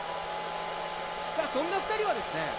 さあそんな２人はですね